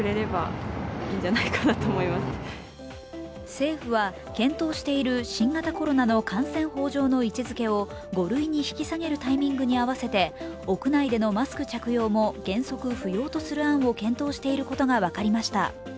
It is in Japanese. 政府は検討している新型コロナの感染法上の位置づけを５類に引き下げるタイミングに合わせて屋内でのマスク着用も原則不要とする案を検討していることが分かりました。